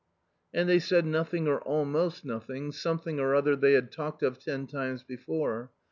And they said nothing or almost nothing, something or other they had talked of ten times before.